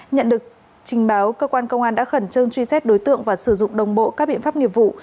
nhận được trình báo cơ quan công an đã khẩn trương truy xét đối tượng và sử dụng đồng bộ các biện pháp nghiệp vụ